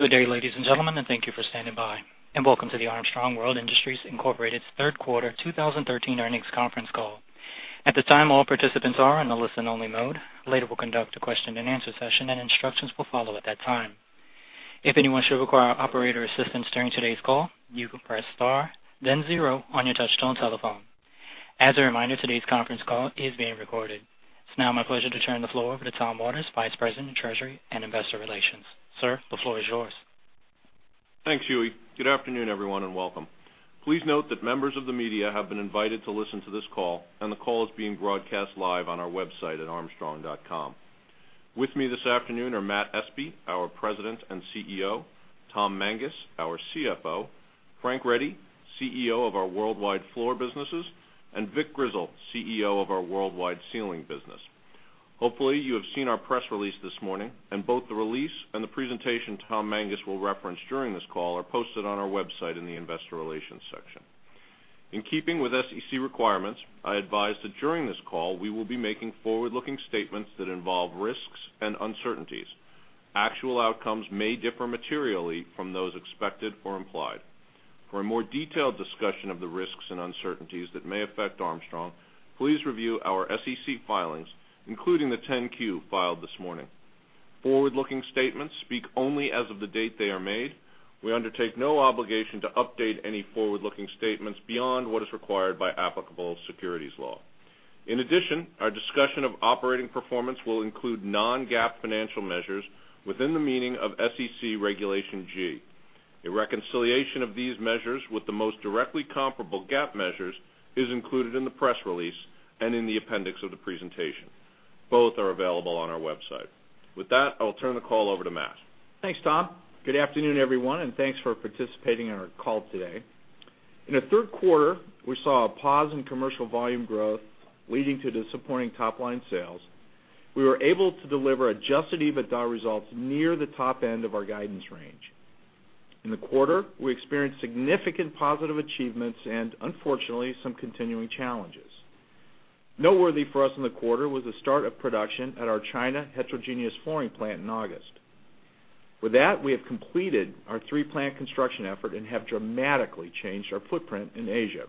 Good day, ladies and gentlemen, thank you for standing by. Welcome to the Armstrong World Industries Incorporated's third quarter 2013 earnings conference call. At this time, all participants are in a listen-only mode. Later, we'll conduct a question-and-answer session, instructions will follow at that time. If anyone should require operator assistance during today's call, you can press star then zero on your touchtone telephone. As a reminder, today's conference call is being recorded. It's now my pleasure to turn the floor over to Tom Waters, Vice President of Treasury and Investor Relations. Sir, the floor is yours. Thanks, Huey. Good afternoon, everyone, welcome. Please note that members of the media have been invited to listen to this call, the call is being broadcast live on our website at armstrong.com. With me this afternoon are Matthew Espe, our President and CEO, Thomas Mangas, our CFO, Frank Ready, CEO of our worldwide floor businesses, Vic Grizzle, CEO of our worldwide ceiling business. Hopefully, you have seen our press release this morning, both the release and the presentation Thomas Mangas will reference during this call are posted on our website in the investor relations section. In keeping with SEC requirements, I advise that during this call, we will be making forward-looking statements that involve risks and uncertainties. Actual outcomes may differ materially from those expected or implied. For a more detailed discussion of the risks and uncertainties that may affect Armstrong, please review our SEC filings, including the 10-Q filed this morning. Forward-looking statements speak only as of the date they are made. We undertake no obligation to update any forward-looking statements beyond what is required by applicable securities law. In addition, our discussion of operating performance will include non-GAAP financial measures within the meaning of SEC Regulation G. A reconciliation of these measures with the most directly comparable GAAP measures is included in the press release and in the appendix of the presentation. Both are available on our website. With that, I'll turn the call over to Matt. Thanks, Tom. Good afternoon, everyone, thanks for participating in our call today. In the third quarter, we saw a pause in commercial volume growth, leading to disappointing top-line sales. We were able to deliver adjusted EBITDA results near the top end of our guidance range. In the quarter, we experienced significant positive achievements and unfortunately, some continuing challenges. Noteworthy for us in the quarter was the start of production at our China heterogeneous flooring plant in August. With that, we have completed our three-plant construction effort and have dramatically changed our footprint in Asia.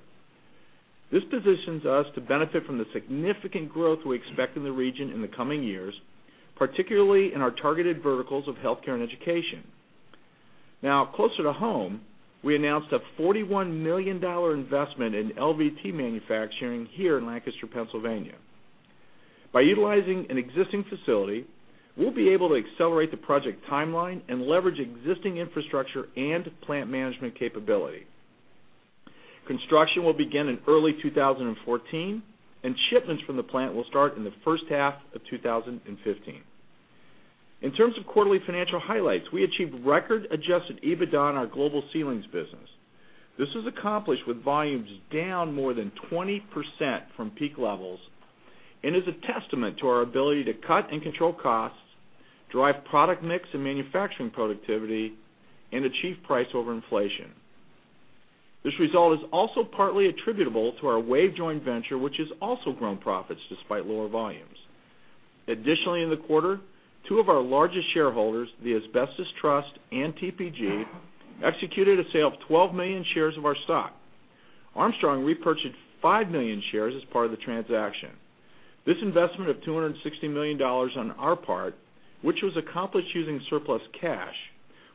This positions us to benefit from the significant growth we expect in the region in the coming years, particularly in our targeted verticals of healthcare and education. Now, closer to home, we announced a $41 million investment in LVT manufacturing here in Lancaster, Pennsylvania. By utilizing an existing facility, we'll be able to accelerate the project timeline and leverage existing infrastructure and plant management capability. Construction will begin in early 2014, and shipments from the plant will start in the first half of 2015. In terms of quarterly financial highlights, we achieved record adjusted EBITDA on our global ceilings business. This was accomplished with volumes down more than 20% from peak levels and is a testament to our ability to cut and control costs, drive product mix and manufacturing productivity, and achieve price over inflation. This result is also partly attributable to our WAVE joint venture, which has also grown profits despite lower volumes. Additionally, in the quarter, two of our largest shareholders, the Asbestos Trust and TPG, executed a sale of 12 million shares of our stock. Armstrong repurchased 5 million shares as part of the transaction. This investment of $260 million on our part, which was accomplished using surplus cash,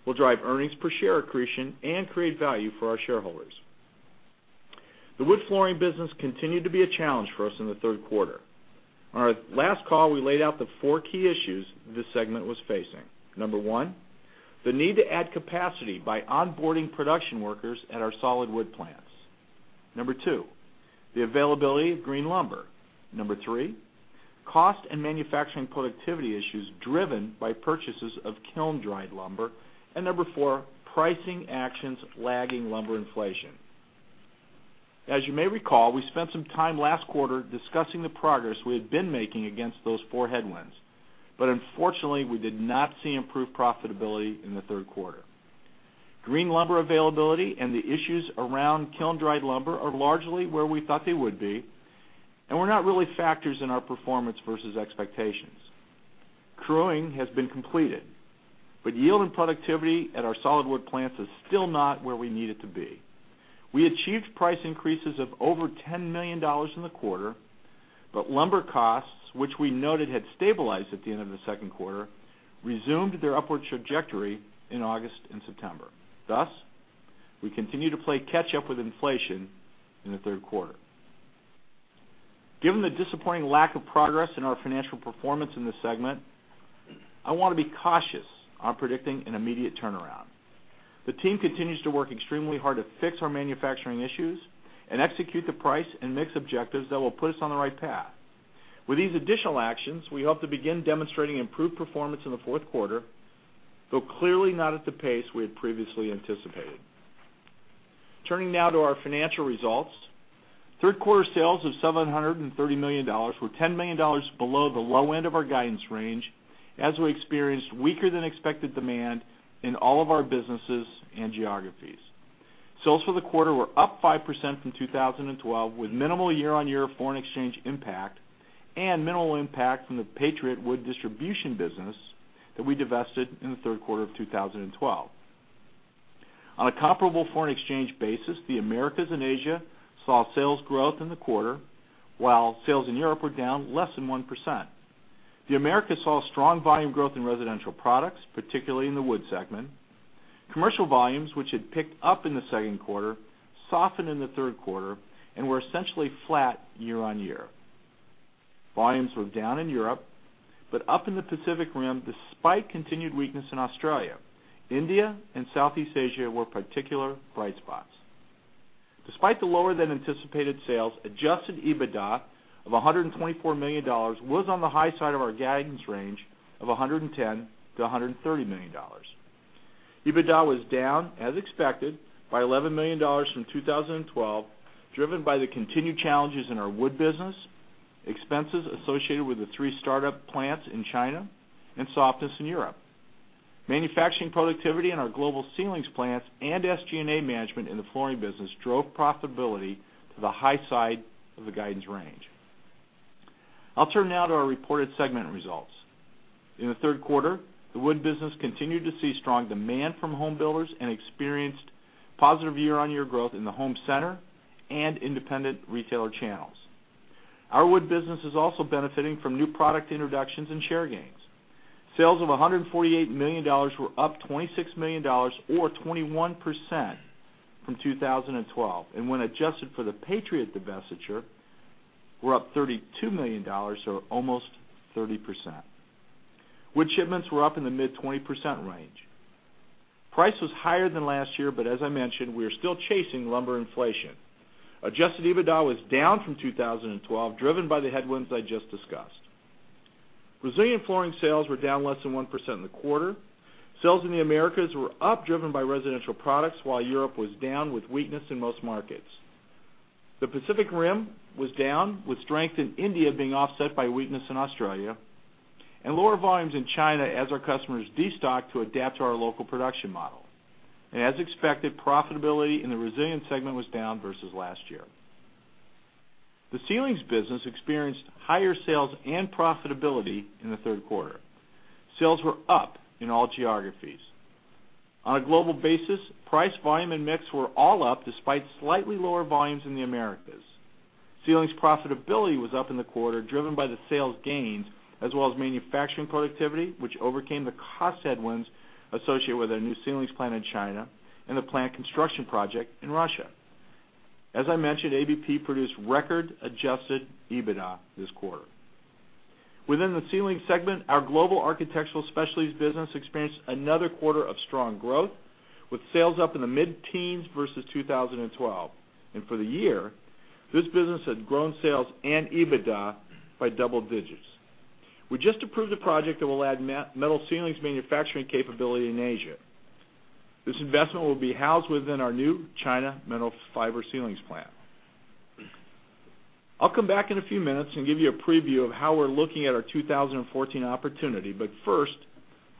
will drive earnings per share accretion and create value for our shareholders. The wood flooring business continued to be a challenge for us in the third quarter. On our last call, we laid out the 4 key issues this segment was facing. Number 1, the need to add capacity by onboarding production workers at our solid wood plants. Number 2, the availability of green lumber. Number 3, cost and manufacturing productivity issues driven by purchases of kiln-dried lumber. Number 4, pricing actions lagging lumber inflation. As you may recall, we spent some time last quarter discussing the progress we had been making against those 4 headwinds, unfortunately, we did not see improved profitability in the third quarter. Green lumber availability and the issues around kiln-dried lumber are largely where we thought they would be and were not really factors in our performance versus expectations. Crewing has been completed, yield and productivity at our solid wood plants is still not where we need it to be. We achieved price increases of over $10 million in the quarter, lumber costs, which we noted had stabilized at the end of the second quarter, resumed their upward trajectory in August and September. Thus, we continue to play catch up with inflation in the third quarter. Given the disappointing lack of progress in our financial performance in this segment, I want to be cautious on predicting an immediate turnaround. The team continues to work extremely hard to fix our manufacturing issues and execute the price and mix objectives that will put us on the right path. With these additional actions, we hope to begin demonstrating improved performance in the fourth quarter, though clearly not at the pace we had previously anticipated. Turning now to our financial results. Third quarter sales of $730 million were $10 million below the low end of our guidance range, as we experienced weaker-than-expected demand in all of our businesses and geographies. Sales for the quarter were up 5% from 2012 with minimal year-on-year foreign exchange impact and minimal impact from the Patriot Flooring Supply distribution business that we divested in the third quarter of 2012. On a comparable foreign exchange basis, the Americas and Asia saw sales growth in the quarter, while sales in Europe were down less than 1%. The Americas saw strong volume growth in residential products, particularly in the wood segment. Commercial volumes, which had picked up in the second quarter, softened in the third quarter and were essentially flat year-on-year. Up in the Pacific Rim despite continued weakness in Australia. India and Southeast Asia were particular bright spots. Despite the lower than anticipated sales, adjusted EBITDA of $124 million was on the high side of our guidance range of $110 to $130 million. EBITDA was down, as expected, by $11 million from 2012, driven by the continued challenges in our wood business, expenses associated with the three startup plants in China, and softness in Europe. Manufacturing productivity in our global ceilings plants and SG&A management in the flooring business drove profitability to the high side of the guidance range. I'll turn now to our reported segment results. In the third quarter, the wood business continued to see strong demand from home builders and experienced positive year-on-year growth in the home center and independent retailer channels. Our wood business is also benefiting from new product introductions and share gains. Sales of $148 million were up $26 million or 21% from 2012. When adjusted for the Patriot divestiture, were up $32 million, or almost 30%. Wood shipments were up in the mid-20% range. Price was higher than last year, as I mentioned, we are still chasing lumber inflation. Adjusted EBITDA was down from 2012, driven by the headwinds I just discussed. Resilient flooring sales were down less than 1% in the quarter. Sales in the Americas were up driven by residential products while Europe was down with weakness in most markets. The Pacific Rim was down, with strength in India being offset by weakness in Australia and lower volumes in China as our customers destocked to adapt to our local production model. As expected, profitability in the Resilient segment was down versus last year. The Ceilings business experienced higher sales and profitability in the third quarter. Sales were up in all geographies. On a global basis, price, volume, and mix were all up despite slightly lower volumes in the Americas. Ceilings profitability was up in the quarter driven by the sales gains as well as manufacturing productivity, which overcame the cost headwinds associated with our new ceilings plant in China and the plant construction project in Russia. As I mentioned, ABP produced record-adjusted EBITDA this quarter. Within the Ceilings segment, our global Architectural Specialties business experienced another quarter of strong growth, with sales up in the mid-teens versus 2012. For the year, this business had grown sales and EBITDA by double digits. We just approved a project that will add metal ceilings manufacturing capability in Asia. This investment will be housed within our new China mineral fiber ceilings plant. I'll come back in a few minutes and give you a preview of how we're looking at our 2014 opportunity. First,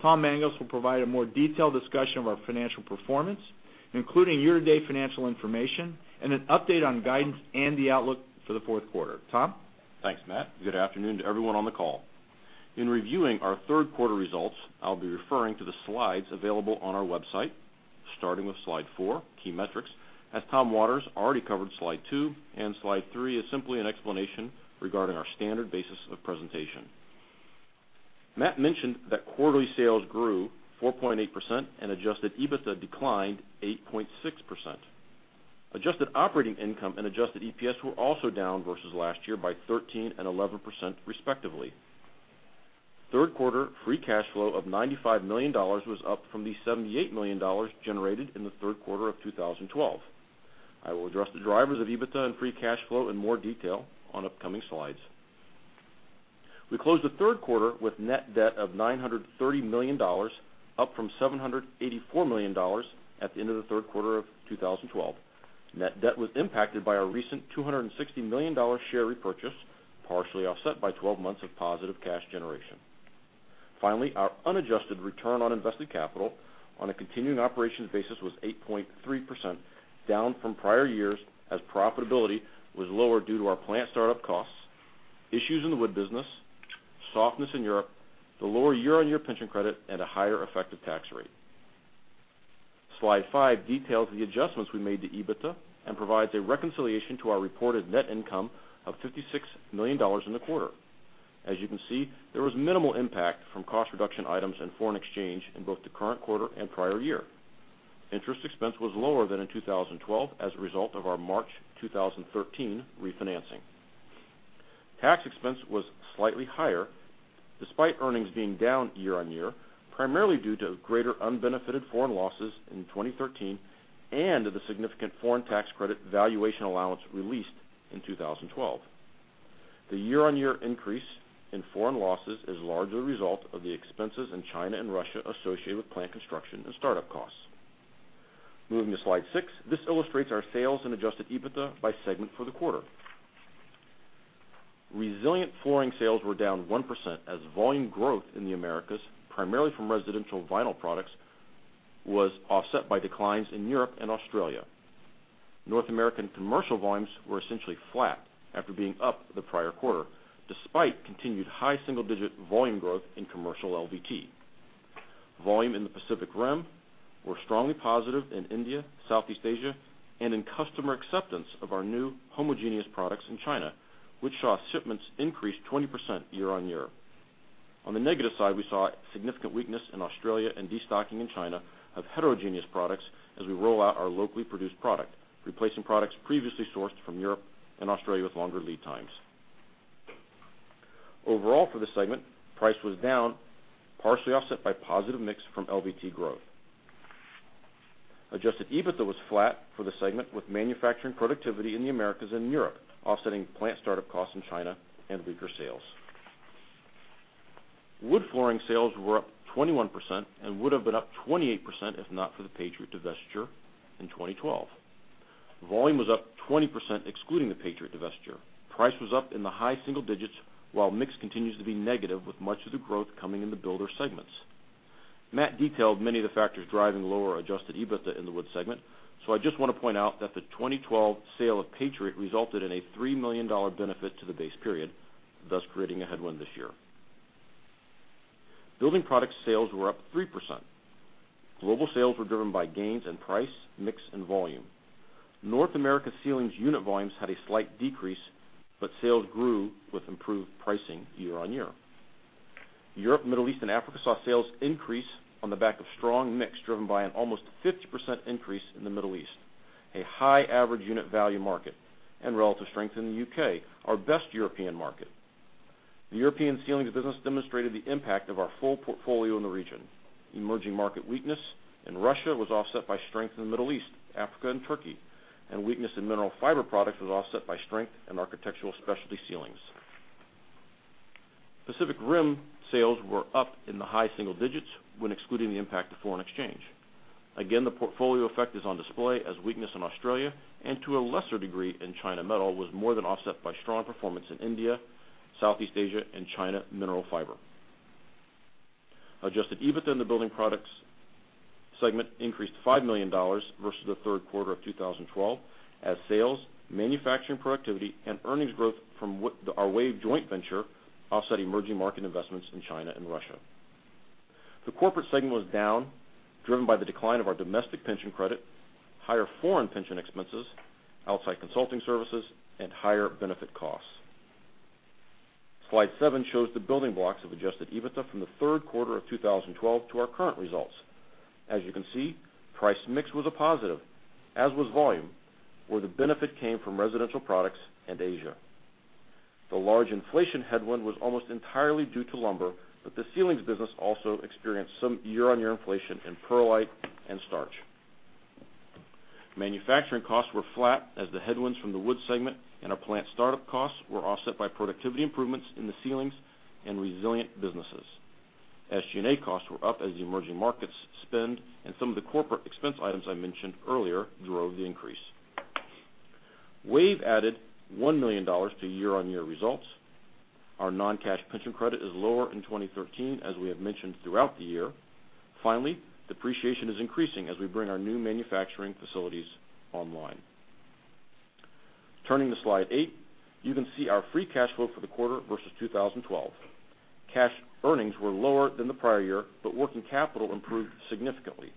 Tom Mangas will provide a more detailed discussion of our financial performance, including year-to-date financial information and an update on guidance and the outlook for the fourth quarter. Tom? Thanks, Matt. Good afternoon to everyone on the call. In reviewing our 3rd quarter results, I will be referring to the slides available on our website, starting with slide four, Key Metrics, as Tom Waters already covered slide two, and slide three is simply an explanation regarding our standard basis of presentation. Matt mentioned that quarterly sales grew 4.8% and adjusted EBITDA declined 8.6%. Adjusted operating income and adjusted EPS were also down versus last year by 13% and 11%, respectively. 3rd quarter free cash flow of $95 million was up from the $78 million generated in the 3rd quarter of 2012. I will address the drivers of EBITDA and free cash flow in more detail on upcoming slides. We closed the 3rd quarter with net debt of $930 million, up from $784 million at the end of the 3rd quarter of 2012. Net debt was impacted by our recent $260 million share repurchase, partially offset by 12 months of positive cash generation. Finally, our unadjusted return on invested capital on a continuing operations basis was 8.3%, down from prior years as profitability was lower due to our plant startup costs, issues in the wood business, softness in Europe, the lower year-on-year pension credit, and a higher effective tax rate. slide five details the adjustments we made to EBITDA and provides a reconciliation to our reported net income of $56 million in the quarter. As you can see, there was minimal impact from cost reduction items and foreign exchange in both the current quarter and prior year. Interest expense was lower than in 2012 as a result of our March 2013 refinancing. Tax expense was slightly higher despite earnings being down year-on-year, primarily due to greater unbenefited foreign losses in 2013 and the significant foreign tax credit valuation allowance released in 2012. The year-on-year increase in foreign losses is largely a result of the expenses in China and Russia associated with plant construction and startup costs. Moving to slide six, this illustrates our sales and adjusted EBITDA by segment for the quarter. Resilient flooring sales were down 1% as volume growth in the Americas, primarily from residential vinyl products, was offset by declines in Europe and Australia. North American commercial volumes were essentially flat after being up the prior quarter, despite continued high single-digit volume growth in commercial LVT. Volume in the Pacific Rim were strongly positive in India, Southeast Asia, and in customer acceptance of our new homogeneous products in China, which saw shipments increase 20% year-on-year. On the negative side, we saw significant weakness in Australia and destocking in China of heterogeneous products as we roll out our locally produced product, replacing products previously sourced from Europe and Australia with longer lead times. Overall for the segment, price was down, partially offset by positive mix from LVT growth. Adjusted EBITDA was flat for the segment with manufacturing productivity in the Americas and Europe offsetting plant startup costs in China and weaker sales. Wood flooring sales were up 21% and would have been up 28% if not for the Patriot divestiture in 2012. Volume was up 20% excluding the Patriot divestiture. Price was up in the high single digits while mix continues to be negative with much of the growth coming in the builder segments. Matt detailed many of the factors driving lower adjusted EBITDA in the wood segment. I just want to point out that the 2012 sale of Patriot resulted in a $3 million benefit to the base period, thus creating a headwind this year. Building product sales were up 3%. Global sales were driven by gains in price, mix, and volume. North America ceilings unit volumes had a slight decrease, but sales grew with improved pricing year-on-year. Europe, Middle East, and Africa saw sales increase on the back of strong mix driven by an almost 50% increase in the Middle East, a high average unit value market, and relative strength in the U.K., our best European market. The European ceilings business demonstrated the impact of our full portfolio in the region. Emerging market weakness in Russia was offset by strength in the Middle East, Africa, and Turkey, and weakness in mineral fiber products was offset by strength in architectural specialty ceilings. Pacific Rim sales were up in the high single digits when excluding the impact of foreign exchange. Again, the portfolio effect is on display as weakness in Australia, and to a lesser degree in China metal, was more than offset by strong performance in India, Southeast Asia, and China mineral fiber. Adjusted EBITDA in the building products segment increased to $5 million versus the third quarter of 2012 as sales, manufacturing productivity, and earnings growth from our WAVE joint venture offset emerging market investments in China and Russia. The corporate segment was down, driven by the decline of our domestic pension credit, higher foreign pension expenses, outside consulting services, and higher benefit costs. Slide seven shows the building blocks of adjusted EBITDA from the third quarter of 2012 to our current results. As you can see, price mix was a positive, as was volume, where the benefit came from residential products and Asia. The large inflation headwind was almost entirely due to lumber, but the ceilings business also experienced some year-on-year inflation in perlite and starch. Manufacturing costs were flat as the headwinds from the wood segment and our plant startup costs were offset by productivity improvements in the ceilings and resilient businesses. SG&A costs were up as the emerging markets spend and some of the corporate expense items I mentioned earlier drove the increase. WAVE added $1 million to year-on-year results. Our non-cash pension credit is lower in 2013, as we have mentioned throughout the year. Finally, depreciation is increasing as we bring our new manufacturing facilities online. Turning to slide eight, you can see our free cash flow for the quarter versus 2012. Cash earnings were lower than the prior year, working capital improved significantly.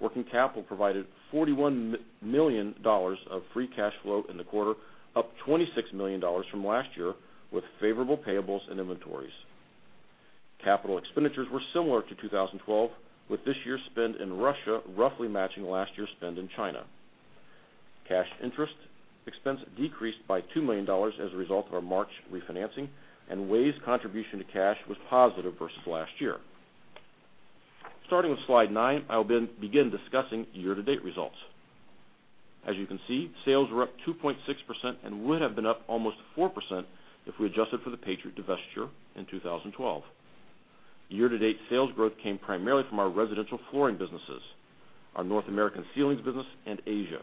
Working capital provided $41 million of free cash flow in the quarter, up $26 million from last year, with favorable payables and inventories. Capital expenditures were similar to 2012, with this year's spend in Russia roughly matching last year's spend in China. Cash interest expense decreased by $2 million as a result of our March refinancing, and WAVE's contribution to cash was positive versus last year. Starting with slide nine, I'll begin discussing year-to-date results. As you can see, sales were up 2.6% and would have been up almost 4% if we adjusted for the Patriot divestiture in 2012. Year-to-date sales growth came primarily from our residential flooring businesses, our North American ceilings business, and Asia.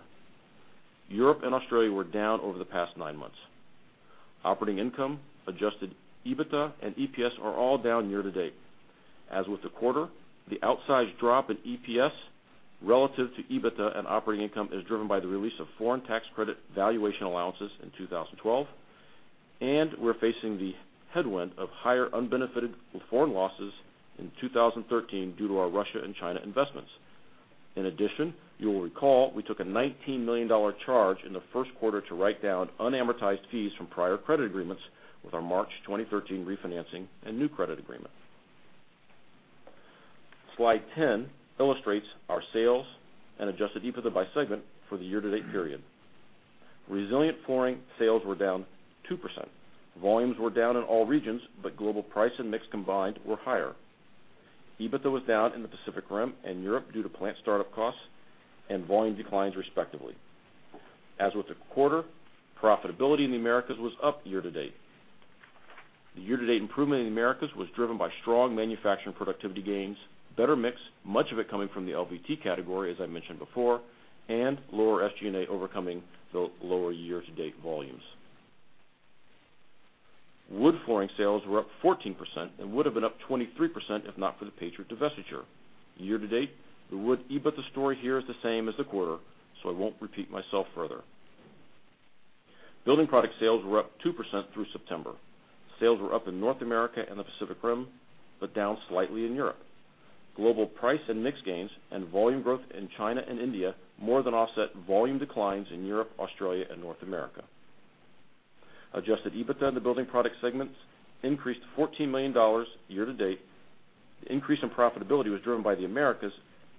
Europe and Australia were down over the past nine months. Operating income, adjusted EBITDA and EPS are all down year-to-date. As with the quarter, the outsized drop in EPS relative to EBITDA and operating income is driven by the release of foreign tax credit valuation allowances in 2012, and we're facing the headwind of higher unbenefited foreign losses in 2013 due to our Russia and China investments. In addition, you will recall we took a $19 million charge in the first quarter to write down unamortized fees from prior credit agreements with our March 2013 refinancing and new credit agreement. Slide 10 illustrates our sales and adjusted EBITDA by segment for the year-to-date period. Resilient flooring sales were down 2%. Volumes were down in all regions, but global price and mix combined were higher. EBITDA was down in the Pacific Rim and Europe due to plant startup costs and volume declines, respectively. As with the quarter, profitability in the Americas was up year-to-date. The year-to-date improvement in the Americas was driven by strong manufacturing productivity gains, better mix, much of it coming from the LVT category, as I mentioned before, and lower SG&A overcoming the lower year-to-date volumes. Wood flooring sales were up 14% and would've been up 23% if not for the Patriot divestiture. Year-to-date, the wood EBITDA story here is the same as the quarter, so I won't repeat myself further. Building product sales were up 2% through September. Sales were up in North America and the Pacific Rim, but down slightly in Europe. Global price and mix gains and volume growth in China and India more than offset volume declines in Europe, Australia, and North America. Adjusted EBITDA in the building product segments increased to $14 million year-to-date. The increase in profitability was driven by the Americas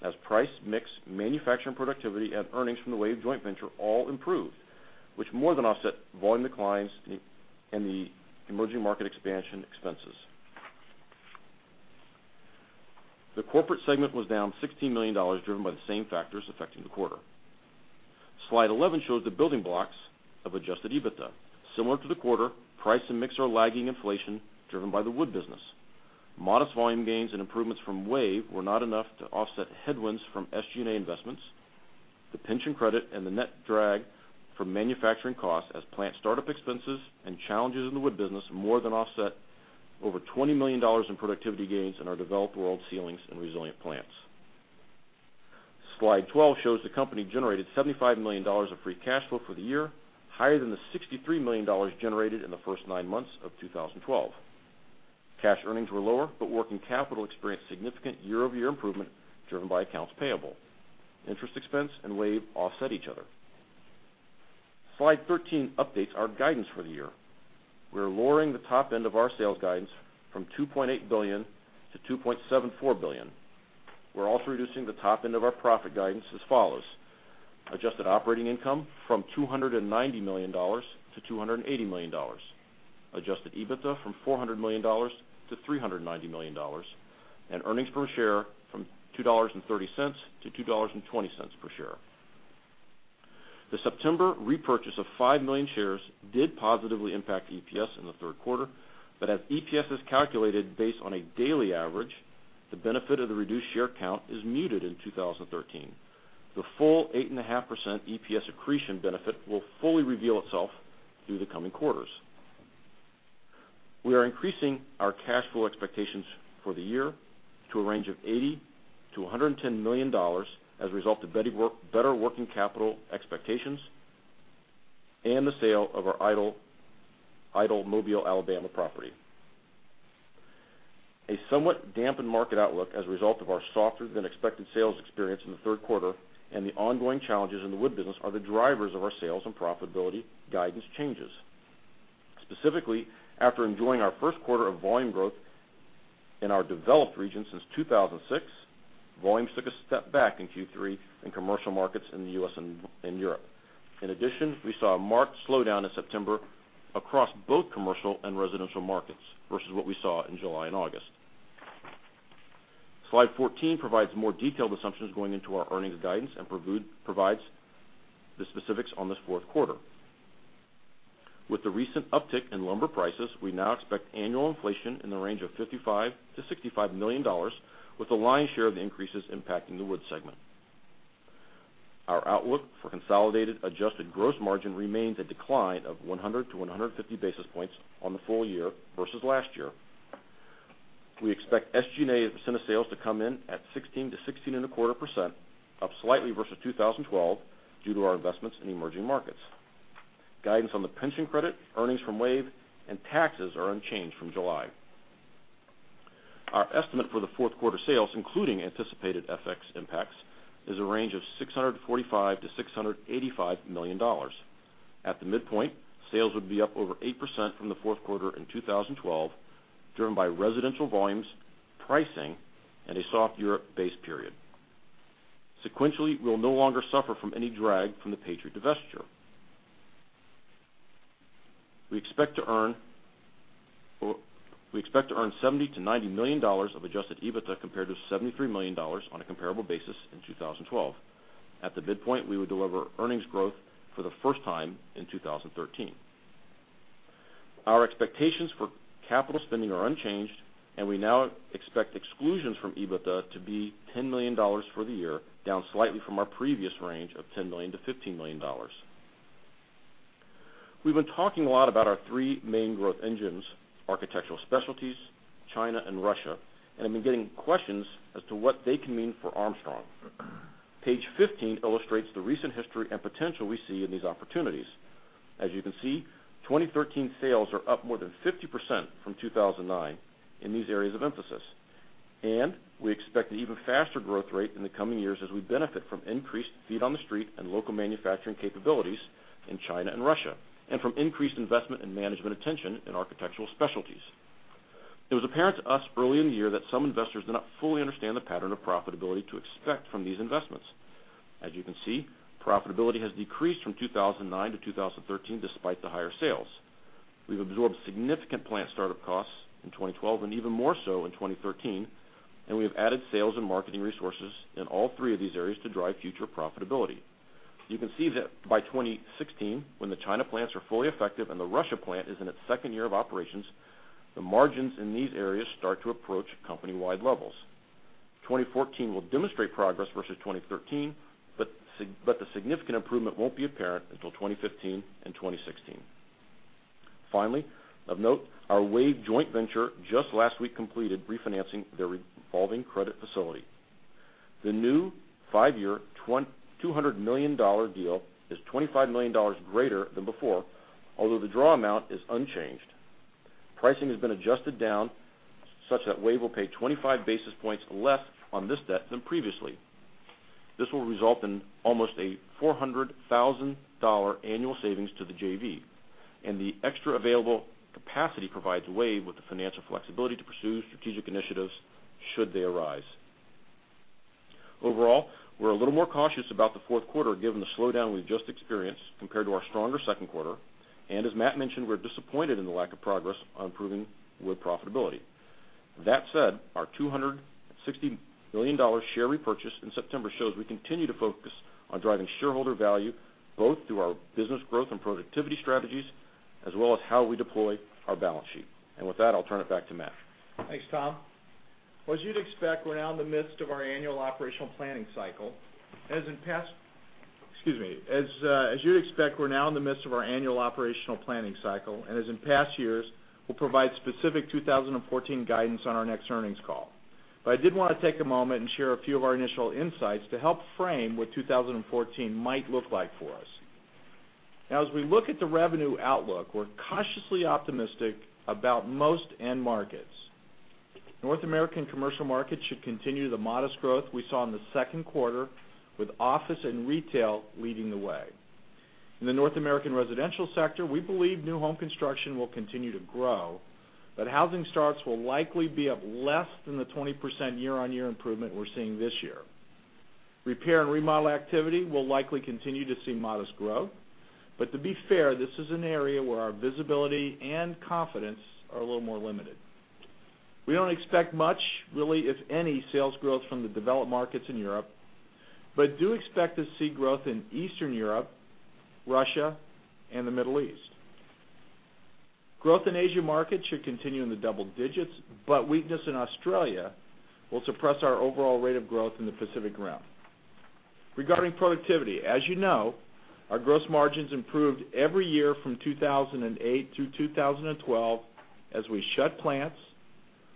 as price, mix, manufacturing productivity, and earnings from the WAVE joint venture all improved, which more than offset volume declines in the emerging market expansion expenses. The corporate segment was down $16 million, driven by the same factors affecting the quarter. Slide 11 shows the building blocks of adjusted EBITDA. Similar to the quarter, price and mix are lagging inflation, driven by the wood business. Modest volume gains and improvements from WAVE were not enough to offset headwinds from SG&A investments. The pension credit and the net drag from manufacturing costs as plant startup expenses and challenges in the wood business more than offset over $20 million in productivity gains in our developed world ceilings and resilient plants. Slide 12 shows the company generated $75 million of free cash flow for the year, higher than the $63 million generated in the first nine months of 2012. Cash earnings were lower, but working capital experienced significant year-over-year improvement driven by accounts payable. Interest expense and WAVE offset each other. Slide 13 updates our guidance for the year. We're lowering the top end of our sales guidance from $2.8 billion to $2.74 billion. We're also reducing the top end of our profit guidance as follows. Adjusted operating income from $290 million to $280 million, adjusted EBITDA from $400 million to $390 million, and earnings per share from $2.30 to $2.20 per share. The September repurchase of 5 million shares did positively impact EPS in the third quarter, but as EPS is calculated based on a daily average, the benefit of the reduced share count is muted in 2013. The full 8.5% EPS accretion benefit will fully reveal itself through the coming quarters. We are increasing our cash flow expectations for the year to a range of $80 million-$110 million as a result of better working capital expectations and the sale of our idle Mobile, Alabama property. A somewhat dampened market outlook as a result of our softer than expected sales experience in the third quarter and the ongoing challenges in the wood business are the drivers of our sales and profitability guidance changes. Specifically, after enjoying our first quarter of volume growth in our developed region since 2006, volumes took a step back in Q3 in commercial markets in the U.S. and Europe. In addition, we saw a marked slowdown in September across both commercial and residential markets versus what we saw in July and August. Slide 14 provides more detailed assumptions going into our earnings guidance and provides the specifics on this fourth quarter. With the recent uptick in lumber prices, we now expect annual inflation in the range of $55 million-$65 million with the lion's share of the increases impacting the wood segment. Our outlook for consolidated adjusted gross margin remains a decline of 100-150 basis points on the full year versus last year. We expect SG&A as a percent of sales to come in at 16%-16.25%, up slightly versus 2012 due to our investments in emerging markets. Guidance on the pension credit, earnings from WAVE, and taxes are unchanged from July. Our estimate for the fourth quarter sales, including anticipated FX impacts, is a range of $645 million-$685 million. At the midpoint, sales would be up over 8% from the fourth quarter in 2012, driven by residential volumes, pricing, and a soft year base period. Sequentially, we'll no longer suffer from any drag from the Patriot divestiture. We expect to earn $70 million-$90 million of adjusted EBITDA compared to $73 million on a comparable basis in 2012. At the midpoint, we would deliver earnings growth for the first time in 2013. Our expectations for capital spending are unchanged, and we now expect exclusions from EBITDA to be $10 million for the year, down slightly from our previous range of $10 million-$15 million. We've been talking a lot about our three main growth engines, Architectural Specialties, China, and Russia, and have been getting questions as to what they can mean for Armstrong. Page 15 illustrates the recent history and potential we see in these opportunities. As you can see, 2013 sales are up more than 50% from 2009 in these areas of emphasis. And we expect an even faster growth rate in the coming years as we benefit from increased feet on the street and local manufacturing capabilities in China and Russia, and from increased investment and management attention in Architectural Specialties. It was apparent to us early in the year that some investors do not fully understand the pattern of profitability to expect from these investments. As you can see, profitability has decreased from 2009-2013 despite the higher sales. We've absorbed significant plant startup costs in 2012, and even more so in 2013, and we have added sales and marketing resources in all three of these areas to drive future profitability. You can see that by 2016, when the China plants are fully effective and the Russia plant is in its second year of operations, the margins in these areas start to approach company-wide levels. 2014 will demonstrate progress versus 2013, but the significant improvement won't be apparent until 2015 and 2016. Finally, of note, our WAVE joint venture just last week completed refinancing their revolving credit facility. The new five-year $200 million deal is $25 million greater than before, although the draw amount is unchanged. Pricing has been adjusted down such that WAVE will pay 25 basis points less on this debt than previously. This will result in almost a $400,000 annual savings to the JV, and the extra available capacity provides WAVE with the financial flexibility to pursue strategic initiatives should they arise. Overall, we're a little more cautious about the fourth quarter given the slowdown we've just experienced compared to our stronger second quarter. As Matt mentioned, we're disappointed in the lack of progress on improving wood profitability. That said, our $260 million share repurchase in September shows we continue to focus on driving shareholder value both through our business growth and productivity strategies, as well as how we deploy our balance sheet. With that, I'll turn it back to Matt. Thanks, Tom. Well, as you'd expect, we're now in the midst of our annual operational planning cycle. As in past years, we'll provide specific 2014 guidance on our next earnings call. I did want to take a moment and share a few of our initial insights to help frame what 2014 might look like for us. Now, as we look at the revenue outlook, we're cautiously optimistic about most end markets. North American commercial markets should continue the modest growth we saw in the second quarter, with office and retail leading the way. In the North American residential sector, we believe new home construction will continue to grow, but housing starts will likely be up less than the 20% year-on-year improvement we're seeing this year. Repair and remodel activity will likely continue to see modest growth, to be fair, this is an area where our visibility and confidence are a little more limited. We don't expect much, really, if any, sales growth from the developed markets in Europe, do expect to see growth in Eastern Europe, Russia, and the Middle East. Growth in Asia markets should continue in the double digits, weakness in Australia will suppress our overall rate of growth in the Pacific Rim. Regarding productivity, as you know, our gross margins improved every year from 2008 through 2012 as we shut plants,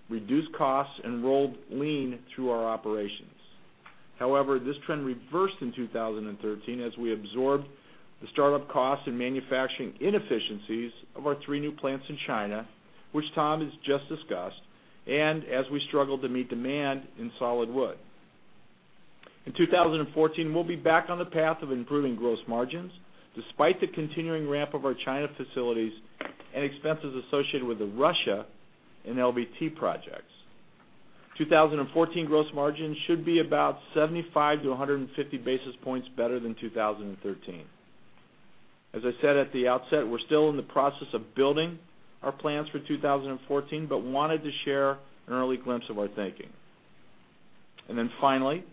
reduced costs, and rolled lean through our operations. However, this trend reversed in 2013 as we absorbed the startup costs and manufacturing inefficiencies of our three new plants in China, which Tom has just discussed, and as we struggled to meet demand in solid wood. In 2014, we'll be back on the path of improving gross margins despite the continuing ramp of our China facilities and expenses associated with the Russia and LVT projects. 2014 gross margins should be about 75 to 150 basis points better than 2013. As I said at the outset, we're still in the process of building our plans for 2014, but wanted to share an early glimpse of our thinking. Finally,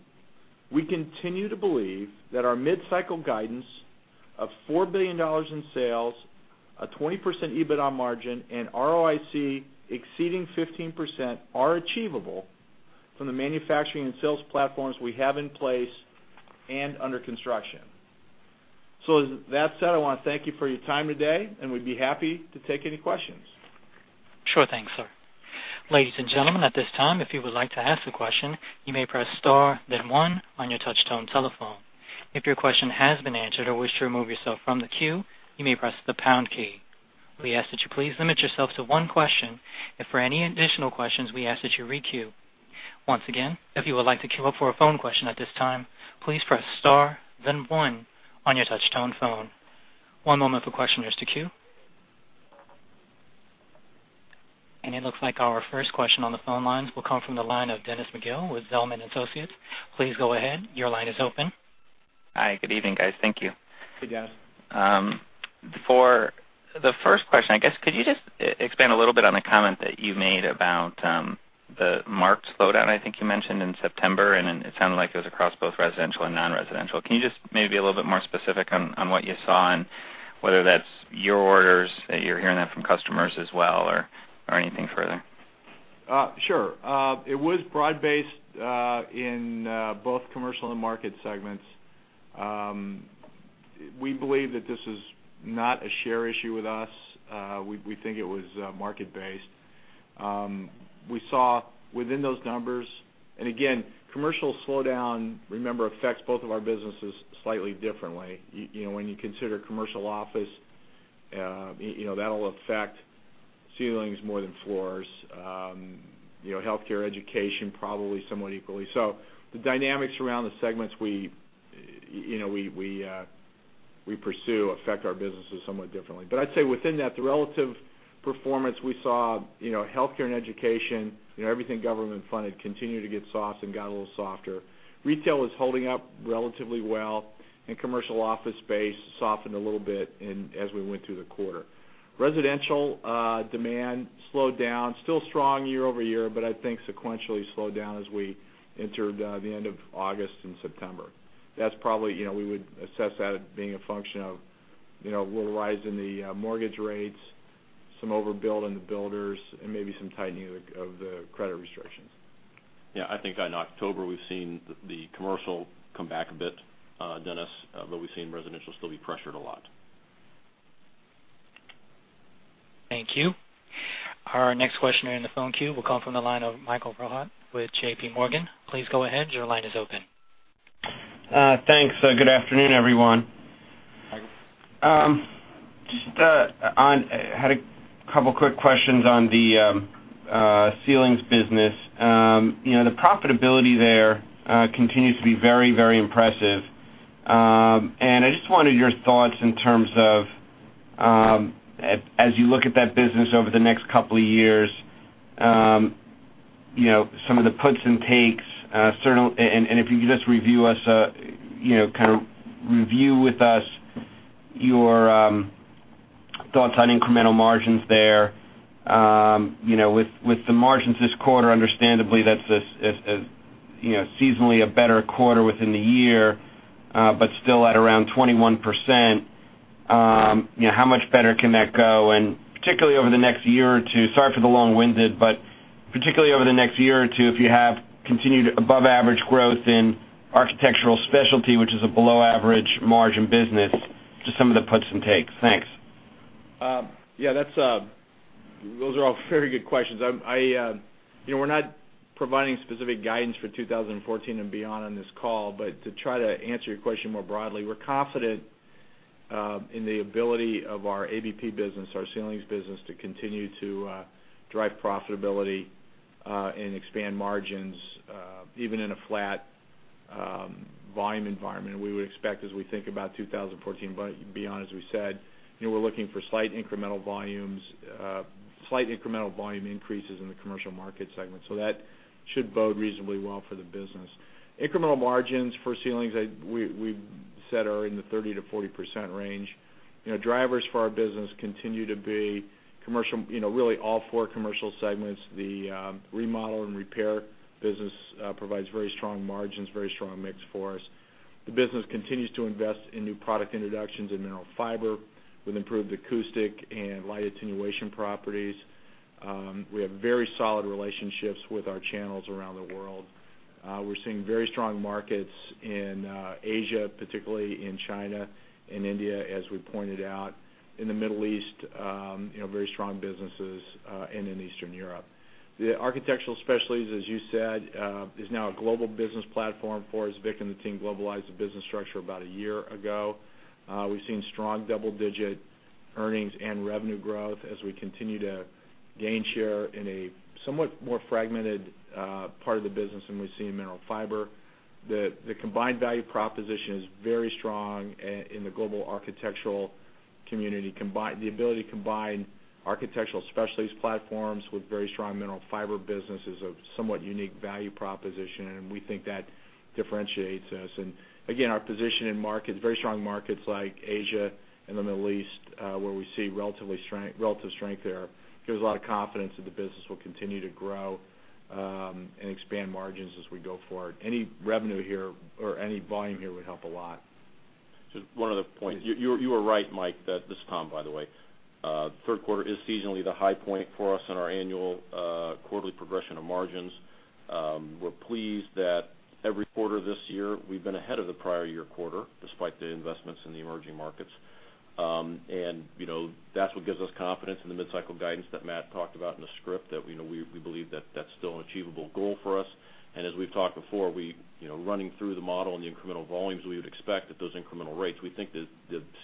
we continue to believe that our mid-cycle guidance of $4 billion in sales, a 20% EBITDA margin, and ROIC exceeding 15% are achievable from the manufacturing and sales platforms we have in place and under construction. With that said, I want to thank you for your time today, and we'd be happy to take any questions. Sure thing, sir. Ladies and gentlemen, at this time, if you would like to ask a question, you may press star then one on your touch-tone telephone. If your question has been answered or wish to remove yourself from the queue, you may press the pound key. We ask that you please limit yourself to one question. If for any additional questions, we ask that you re-queue. Once again, if you would like to queue up for a phone question at this time, please press star then one on your touch-tone phone. One moment for questioners to queue. It looks like our first question on the phone lines will come from the line of Dennis McGill with Zelman & Associates. Please go ahead. Your line is open. Hi, good evening, guys. Thank you. Hey, Dennis. For the first question, I guess, could you just expand a little bit on the comment that you made about the marked slowdown I think you mentioned in September, and it sounded like it was across both residential and non-residential. Can you just maybe be a little bit more specific on what you saw and whether that's your orders, that you're hearing that from customers as well or anything further? Sure. It was broad-based in both commercial and market segments. We believe that this is not a share issue with us. We think it was market-based. We saw within those numbers, and again, commercial slowdown, remember, affects both of our businesses slightly differently. When you consider commercial office, that'll affect ceilings more than floors. Healthcare, education, probably somewhat equally. The dynamics around the segments we pursue affect our businesses somewhat differently. I'd say within that, the relative performance we saw, healthcare and education, everything government-funded continued to get soft and got a little softer. Retail is holding up relatively well, and commercial office space softened a little bit as we went through the quarter. Residential demand slowed down, still strong year-over-year, but I think sequentially slowed down as we entered the end of August and September. We would assess that as being a function of a little rise in the mortgage rates, some overbuild in the builders, and maybe some tightening of the credit restrictions. Yeah, I think in October, we've seen the commercial come back a bit, Dennis, we've seen residential still be pressured a lot. Thank you. Our next question here in the phone queue will come from the line of Michael Rehaut with JPMorgan. Please go ahead. Your line is open. Thanks. Good afternoon, everyone. Michael. I just wanted your thoughts in terms of, as you look at that business over the next couple of years, some of the puts and takes, and if you could just review with us your thoughts on incremental margins there. With the margins this quarter, understandably, that's seasonally a better quarter within the year, but still at around 21%. How much better can that go? Particularly over the next year or two, sorry for the long-winded, but particularly over the next year or two, if you have continued above average growth in Architectural Specialties, which is a below average margin business, just some of the puts and takes. Thanks. Yeah. Those are all very good questions. We're not providing specific guidance for 2014 and beyond on this call, but to try to answer your question more broadly, we're confident in the ability of our ABP business, our ceilings business, to continue to drive profitability, and expand margins, even in a flat volume environment. We would expect as we think about 2014, but beyond, as we said, we're looking for slight incremental volume increases in the commercial market segment. That should bode reasonably well for the business. Incremental margins for ceilings, we said are in the 30%-40% range. Drivers for our business continue to be really all four commercial segments. The remodel and repair business provides very strong margins, very strong mix for us. The business continues to invest in new product introductions in mineral fiber with improved acoustic and light attenuation properties. We have very solid relationships with our channels around the world. We're seeing very strong markets in Asia, particularly in China and India, as we pointed out. In the Middle East, very strong businesses, and in Eastern Europe. The Architectural Specialties, as you said, is now a global business platform for us. Vic and the team globalized the business structure about a year ago. We've seen strong double-digit earnings and revenue growth as we continue to gain share in a somewhat more fragmented part of the business than we see in mineral fiber. The combined value proposition is very strong in the global architectural community. The ability to combine Architectural Specialties platforms with very strong mineral fiber business is a somewhat unique value proposition, and we think that differentiates us. Again, our position in very strong markets like Asia and the Middle East, where we see relative strength there, gives a lot of confidence that the business will continue to grow, and expand margins as we go forward. Any revenue here or any volume here would help a lot. Just one other point. You are right, Mike, that, this is Tom, by the way. Third quarter is seasonally the high point for us in our annual quarterly progression of margins. We're pleased that every quarter this year we've been ahead of the prior year quarter, despite the investments in the emerging markets. That's what gives us confidence in the mid-cycle guidance that Matt talked about in the script, that we believe that that's still an achievable goal for us. As we've talked before, running through the model and the incremental volumes, we would expect at those incremental rates, we think the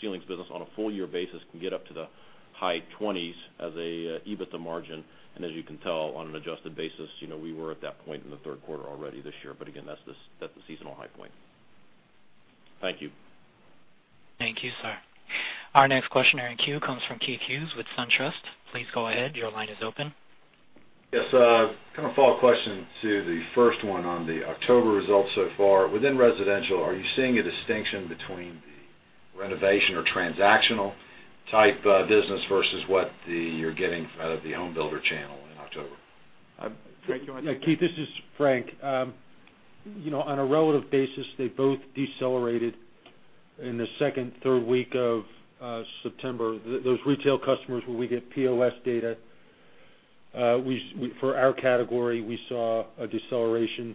ceilings business on a full year basis can get up to the high 20s as a EBITDA margin. As you can tell, on an adjusted basis, we were at that point in the third quarter already this year. Again, that's the seasonal high point. Thank you. Thank you, sir. Our next question here in queue comes from Keith Hughes with SunTrust. Please go ahead. Your line is open. Yes, kind of a follow-up question to the first one on the October results so far. Within residential, are you seeing a distinction between the renovation or transactional type business versus what you are getting out of the home builder channel in October? Frank, you want to take that? Yeah, Keith, this is Frank. On a relative basis, they both decelerated in the second, third week of September. Those retail customers where we get POS data, for our category, we saw a deceleration,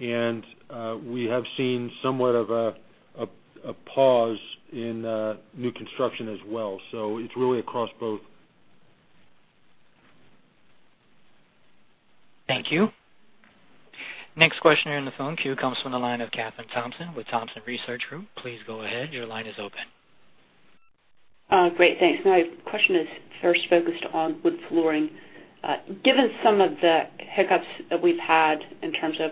and we have seen somewhat of a pause in new construction as well. It's really across both. Thank you. Next question here in the phone queue comes from the line of Kathryn Thompson with Thompson Research Group. Please go ahead. Your line is open. Great. Thanks. My question is first focused on wood flooring. Given some of the hiccups that we've had in terms of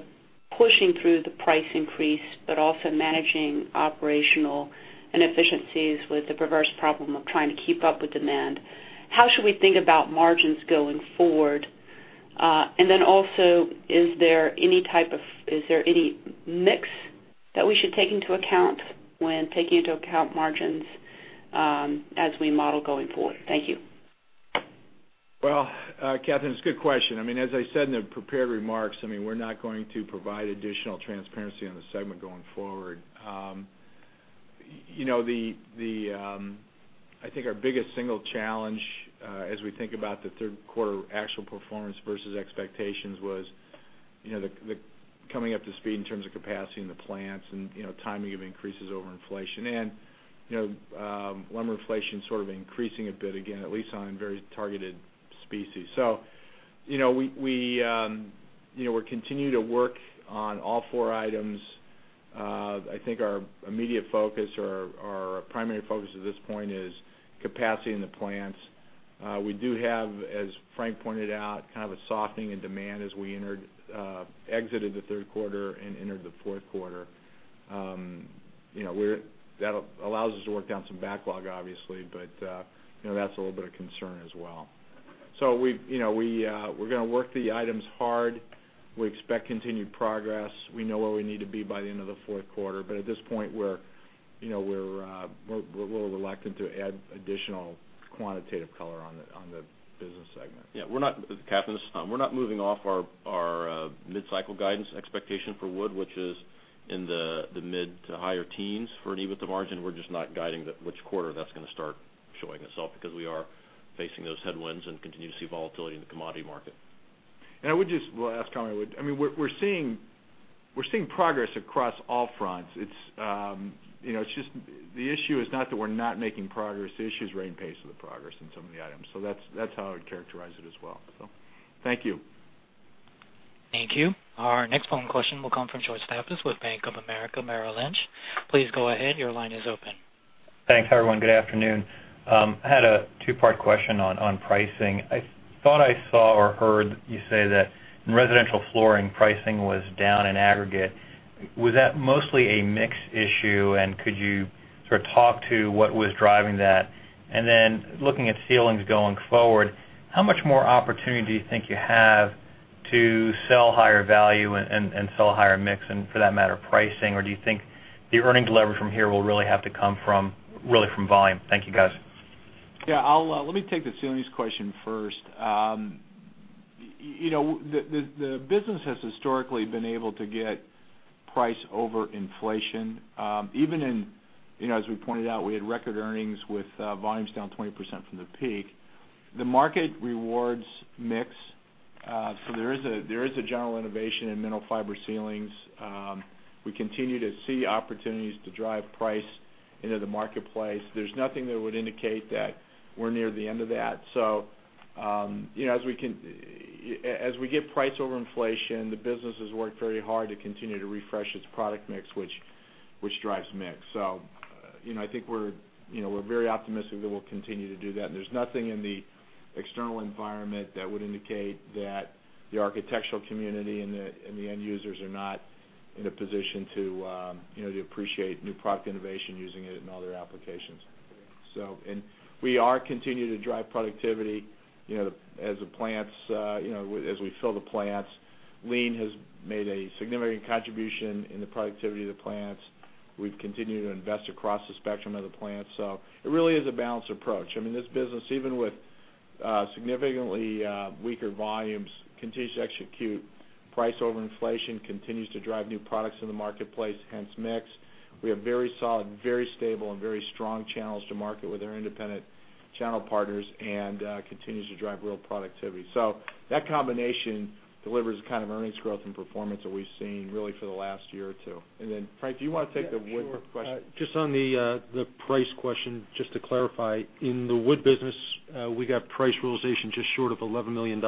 pushing through the price increase, but also managing operational inefficiencies with the perverse problem of trying to keep up with demand, how should we think about margins going forward? Also, is there any mix that we should take into account when taking into account margins as we model going forward? Thank you. Well, Kathryn, it's a good question. As I said in the prepared remarks, we're not going to provide additional transparency on the segment going forward. I think our biggest single challenge, as we think about the third quarter actual performance versus expectations, was the coming up to speed in terms of capacity in the plants and timing of increases over inflation. Lumber inflation sort of increasing a bit again, at least on very targeted species. We're continuing to work on all four items. I think our immediate focus or our primary focus at this point is capacity in the plants. We do have, as Frank pointed out, kind of a softening in demand as we exited the third quarter and entered the fourth quarter. That allows us to work down some backlog, obviously, but that's a little bit of concern as well. We're going to work the items hard. We expect continued progress. We know where we need to be by the end of the fourth quarter, but at this point, we're a little reluctant to add additional quantitative color on the business segment. Yeah. Kathryn, we're not moving off our mid-cycle guidance expectation for wood, which is in the mid to higher teens for an EBITDA margin. We're just not guiding which quarter that's going to start showing itself because we are facing those headwinds and continue to see volatility in the commodity market. Well, I'll ask Conrad. We're seeing progress across all fronts. The issue is not that we're not making progress. The issue is rate and pace of the progress in some of the items. That's how I would characterize it as well. Thank you. Thank you. Our next phone question will come from George Staphos with Bank of America Merrill Lynch. Please go ahead. Your line is open. Thanks, everyone. Good afternoon. I had a two-part question on pricing. I thought I saw or heard you say that in residential flooring, pricing was down in aggregate. Was that mostly a mix issue, and could you sort of talk to what was driving that? Then looking at ceilings going forward, how much more opportunity do you think you have to sell higher value and sell a higher mix and for that matter, pricing? Do you think the earnings leverage from here will really have to come from volume? Thank you, guys. Yeah. Let me take the ceilings question first. The business has historically been able to get price over inflation. Even in, as we pointed out, we had record earnings with volumes down 20% from the peak. The market rewards mix. There is a general innovation in mineral fiber ceilings. We continue to see opportunities to drive price into the marketplace. There's nothing that would indicate that we're near the end of that. As we get price over inflation, the business has worked very hard to continue to refresh its product mix, which drives mix. I think we're very optimistic that we'll continue to do that, and there's nothing in the external environment that would indicate that the architectural community and the end users are not in a position to appreciate new product innovation using it in all their applications. We are continuing to drive productivity as we fill the plants. Lean has made a significant contribution in the productivity of the plants. We've continued to invest across the spectrum of the plants. It really is a balanced approach. This business, even with significantly weaker volumes, continues to execute price over inflation, continues to drive new products in the marketplace, hence mix. We have very solid, very stable, and very strong channels to market with our independent channel partners and continues to drive real productivity. That combination delivers the kind of earnings growth and performance that we've seen really for the last year or two. Frank, do you want to take the wood question? Yeah, sure. Just on the price question, just to clarify, in the wood business, we got price realization just short of $11 million,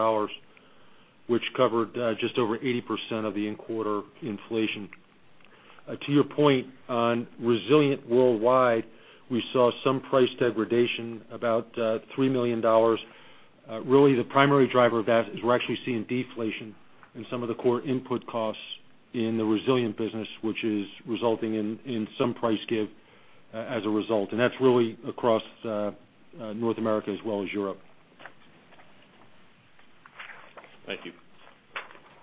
which covered just over 80% of the in-quarter inflation. To your point on Resilient worldwide, we saw some price degradation, about $3 million. Really, the primary driver of that is we're actually seeing deflation in some of the core input costs in the Resilient business, which is resulting in some price give as a result. That's really across North America as well as Europe. Thank you.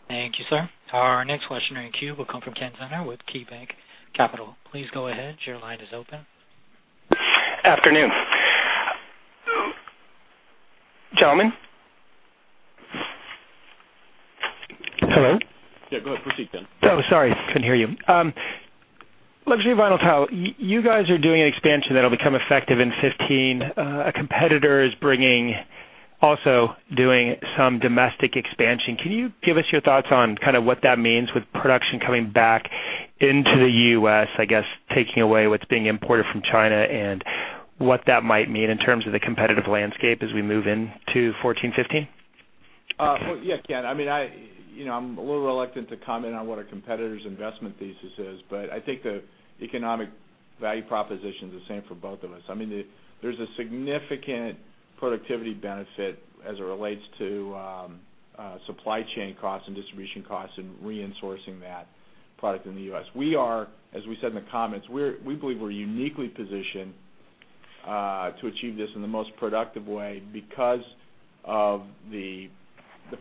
Thank you, sir. Our next question in the queue will come from Kenneth Zener with KeyBanc Capital Markets. Please go ahead. Your line is open. Afternoon. Gentlemen? Hello? Yeah, go ahead. Proceed, Kenneth. Sorry. Couldn't hear you. Luxury vinyl tile. You guys are doing an expansion that'll become effective in 2015. A competitor is also doing some domestic expansion. Can you give us your thoughts on kind of what that means with production coming back into the U.S., I guess, taking away what's being imported from China and what that might mean in terms of the competitive landscape as we move into 2014-2015? Well, Ken, I'm a little reluctant to comment on what a competitor's investment thesis is, but I think the economic value proposition is the same for both of us. There's a significant productivity benefit as it relates to supply chain costs and distribution costs and re-insourcing that product in the U.S. We are, as we said in the comments, we believe we're uniquely positioned to achieve this in the most productive way because of the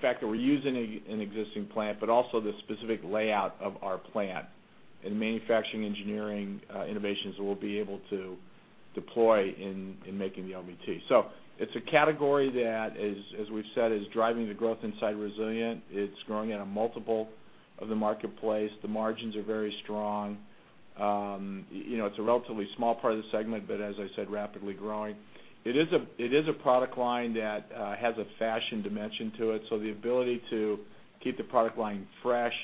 fact that we're using an existing plant, but also the specific layout of our plant and manufacturing engineering innovations that we'll be able to deploy in making the LVT. It's a category that, as we've said, is driving the growth inside Resilient. It's growing at a multiple of the marketplace. The margins are very strong. It's a relatively small part of the segment, but as I said, rapidly growing. It is a product line that has a fashion dimension to it, the ability to keep the product line fresh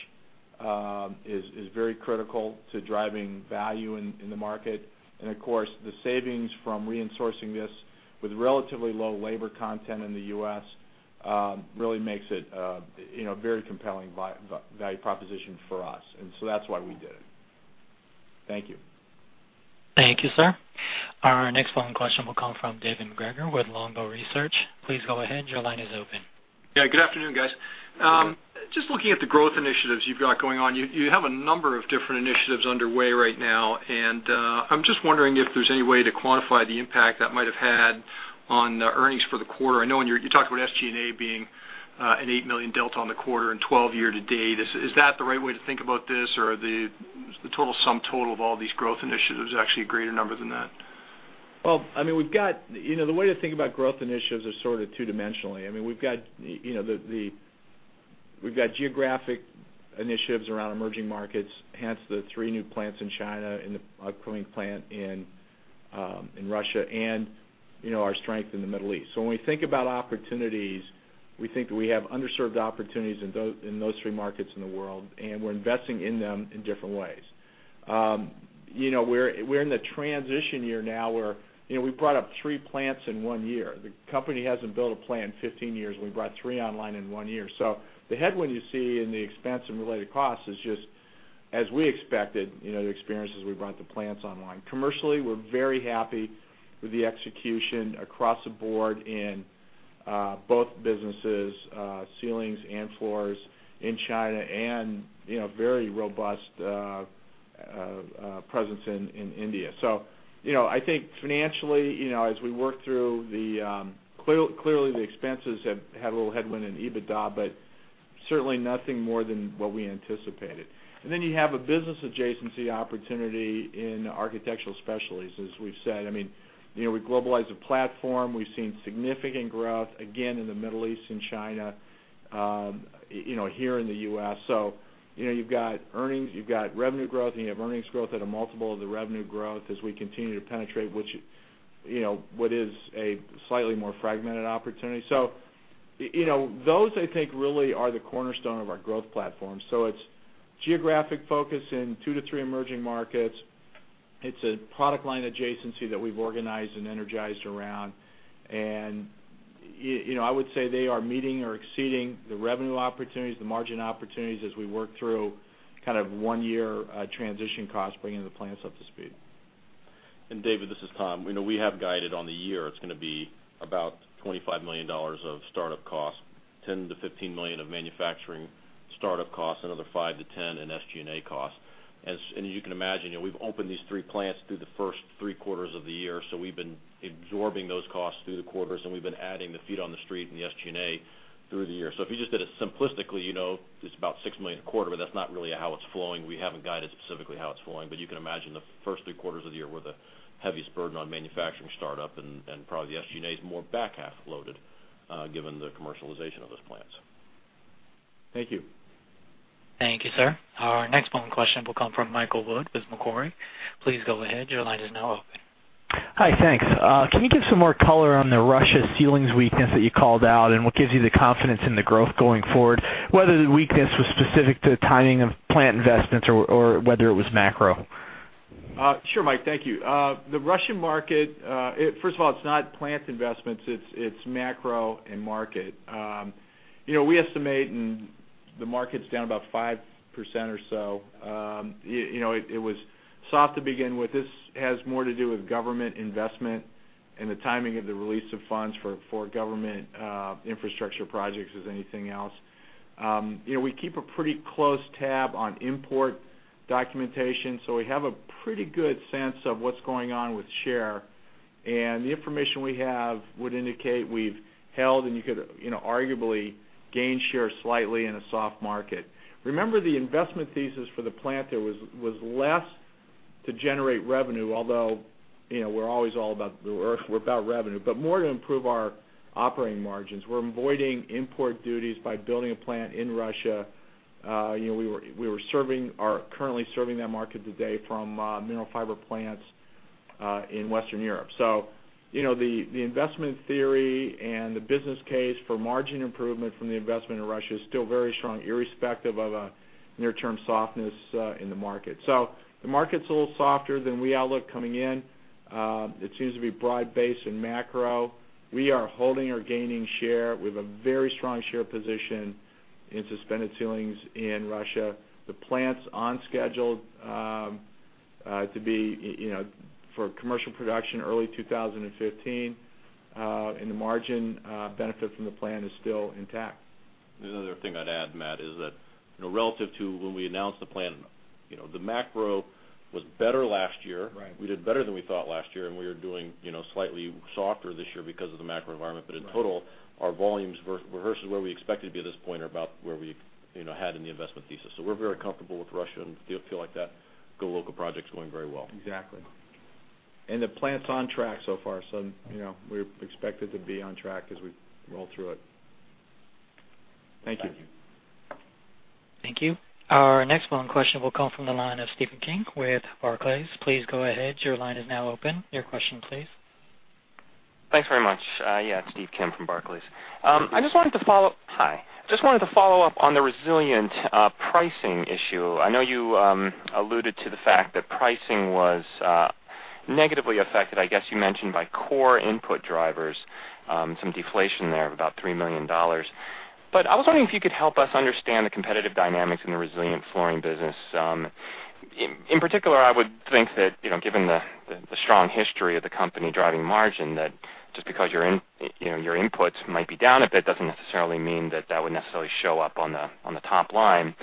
is very critical to driving value in the market. Of course, the savings from re-insourcing this with relatively low labor content in the U.S. really makes it a very compelling value proposition for us. That's why we did it. Thank you. Thank you, sir. Our next follow-up question will come from David MacGregor with Longbow Research. Please go ahead. Your line is open. Good afternoon, guys. Good afternoon. Looking at the growth initiatives you've got going on, you have a number of different initiatives underway right now. I'm just wondering if there's any way to quantify the impact that might have had on the earnings for the quarter. I know you talked about SG&A being an $8 million delta on the quarter and $12 million year-to-date. Is that the right way to think about this? Is the total sum total of all these growth initiatives actually a greater number than that? Well, the way to think about growth initiatives is sort of two-dimensionally. We've got geographic initiatives around emerging markets, hence the three new plants in China and the upcoming plant in Russia and our strength in the Middle East. When we think about opportunities, we think that we have underserved opportunities in those three markets in the world, and we're investing in them in different ways. We're in the transition year now where we brought up three plants in one year. The company hasn't built a plant in 15 years, and we brought three online in one year. The headwind you see in the expense and related costs is just as we expected, the experiences we brought the plants online. Commercially, we're very happy with the execution across the board in both businesses, ceilings and floors in China, and very robust presence in India. I think financially, as we work through, clearly the expenses have had a little headwind in EBITDA, certainly nothing more than what we anticipated. You have a business adjacency opportunity in Architectural Specialties, as we've said. We globalized the platform. We've seen significant growth, again, in the Middle East and China, here in the U.S. You've got revenue growth, and you have earnings growth at a multiple of the revenue growth as we continue to penetrate what is a slightly more fragmented opportunity. Those, I think, really are the cornerstone of our growth platform. It's geographic focus in two to three emerging markets. It's a product line adjacency that we've organized and energized around. I would say they are meeting or exceeding the revenue opportunities, the margin opportunities as we work through kind of one-year transition costs, bringing the plants up to speed. David, this is Tom. We have guided on the year it's going to be about $25 million of startup costs, $10 million-$15 million of manufacturing startup costs, another $5 million-$10 million in SG&A costs. As you can imagine, we've opened these three plants through the first three quarters of the year, we've been absorbing those costs through the quarters, we've been adding the feet on the street and the SG&A through the year. If you just did it simplistically, it's about $6 million a quarter, that's not really how it's flowing. We haven't guided specifically how it's flowing, probably the SG&A is more back-half loaded given the commercialization of those plants. Thank you. Thank you, sir. Our next follow-up question will come from Michael Wood with Macquarie. Please go ahead. Your line is now open. Hi, thanks. Can you give some more color on the Russia ceilings weakness that you called out and what gives you the confidence in the growth going forward, whether the weakness was specific to the timing of plant investments or whether it was macro? Sure, Mike. Thank you. The Russian market, first of all, it's not plant investments, it's macro and market. We estimate the market's down about 5% or so. It was soft to begin with. This has more to do with government investment and the timing of the release of funds for government infrastructure projects as anything else. We keep a pretty close tab on import documentation, so we have a pretty good sense of what's going on with share. The information we have would indicate we've held and arguably gained share slightly in a soft market. Remember the investment thesis for the plant there was less to generate revenue, although, we're about revenue, but more to improve our operating margins. We're avoiding import duties by building a plant in Russia. We are currently serving that market today from mineral fiber plants in Western Europe. The investment theory and the business case for margin improvement from the investment in Russia is still very strong, irrespective of a near-term softness in the market. The market's a little softer than we outlook coming in. It seems to be broad-based in macro. We are holding or gaining share. We have a very strong share position in suspended ceilings in Russia. The plant is on schedule for commercial production early 2015, and the margin benefit from the plant is still intact. The other thing I'd add, Matt, is that relative to when we announced the plan, the macro was better last year. Right. We did better than we thought last year. We are doing slightly softer this year because of the macro environment. Right. In total, our volumes versus where we expected to be at this point are about where we had in the investment thesis. We're very comfortable with Russia and feel like that go-local project is going very well. Exactly. The plant is on track so far. We expect it to be on track as we roll through it. Thank you. Thank you. Thank you. Our next question will come from the line of Stephen Kim with Barclays. Please go ahead. Your line is now open. Your question, please. Thanks very much. Yeah, it's Steve Kim from Barclays. Hi. I just wanted to follow up on the resilient pricing issue. I know you alluded to the fact that pricing was negatively affected, I guess you mentioned by core input drivers, some deflation there of about $3 million. I was wondering if you could help us understand the competitive dynamics in the resilient flooring business. In particular, I would think that, given the strong history of the company driving margin, that just because your inputs might be down a bit doesn't necessarily mean that that would necessarily show up on the top line.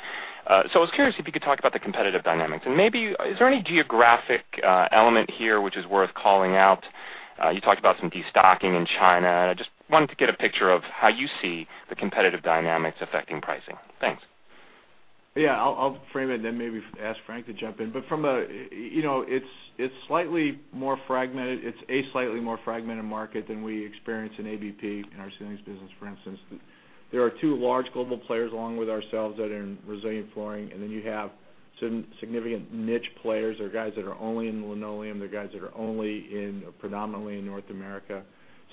I was curious if you could talk about the competitive dynamics, and maybe is there any geographic element here which is worth calling out? You talked about some destocking in China. I just wanted to get a picture of how you see the competitive dynamics affecting pricing. Thanks. Yeah, I'll frame it, then maybe ask Frank to jump in. It's a slightly more fragmented market than we experience in ABP, in our ceilings business, for instance. There are two large global players along with ourselves that are in resilient flooring, and then you have some significant niche players or guys that are only in linoleum. They're guys that are only predominantly in North America.